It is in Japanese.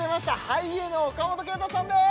俳優の岡本圭人さんです